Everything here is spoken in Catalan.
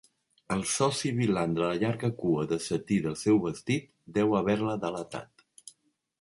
El so sibilant de la llarga cua de setí del seu vestit deu haver-la delatat.